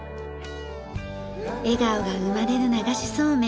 笑顔が生まれる流しそうめん。